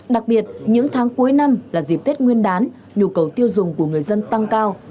đặc biệt những tháng cuối năm là dịp tết nguyên đán nhu cầu tiêu dùng của người dân tăng cao